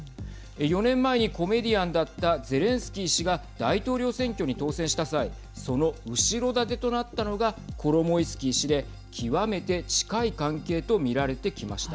４年前にコメディアンだったゼレンスキー氏が大統領選挙に当選した際その後ろ盾となったのがコロモイスキー氏で極めて近い関係と見られてきました。